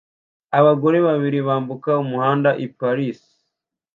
Abagore babiri bambuka umuhanda i Paris